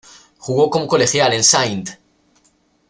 Jugó como colegial en St.